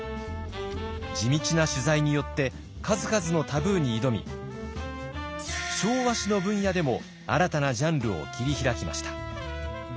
地道な取材によって数々のタブーに挑み昭和史の分野でも新たなジャンルを切り開きました。